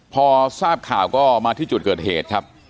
พอทราบข่าวก็มาที่จุดเกิดเหตุครับ